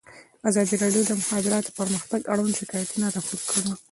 ازادي راډیو د د مخابراتو پرمختګ اړوند شکایتونه راپور کړي.